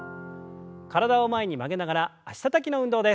体を前に曲げながら脚たたきの運動です。